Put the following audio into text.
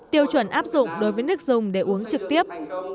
tiêu chuẩn áp dụng đối với nước dùng để uống trực tiếp